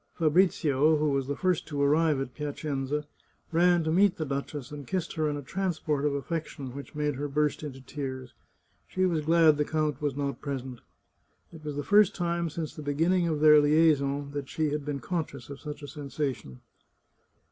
Fabrizio, who was the first to arrive at Piacenza, ran to meet the duchess, and kissed her in a transport of affection, which made her burst into tears. She was glad the count was not present. It was the first time since the beginning of their liaison that she had been conscious of such a sensation.